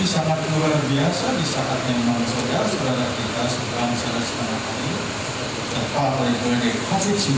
ini sangat luar biasa di saat yang mana saudara saudara kita saudara saudara sekarang ini